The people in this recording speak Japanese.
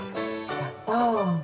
やった！